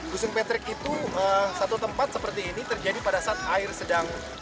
dusun petrik itu satu tempat seperti ini terjadi pada saat air sedang